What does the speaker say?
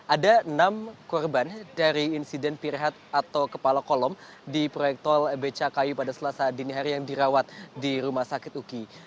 ada enam korban dari insiden pirhat atau kepala kolom di proyek tol becakayu pada selasa dini hari yang dirawat di rumah sakit uki